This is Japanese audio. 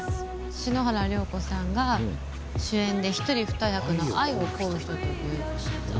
篠原涼子さんが主演で一人二役の『愛を乞うひと』というドラマで。